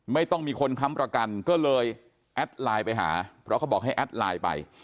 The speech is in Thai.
ไม่ต้องมีคนค้ำประกันก็เลยแอดไลน์ไปหาเพราะเขาบอกให้แอดไลน์ไป